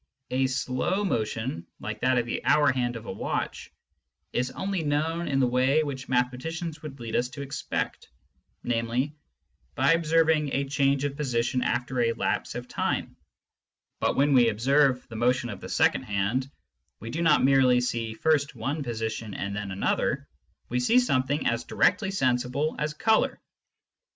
A slow motion, like that of the hour hand of a watch, is only known in the way wWch mathematics would lead us to expect, namely by observing a change of position after a lapse of time ; but, when we observe the motion of the second hand, we do not merely see first one position and then another — ^we see something as directly sensible as colour.